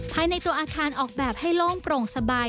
ภายในตัวอาคารออกแบบให้โล่งโปร่งสบาย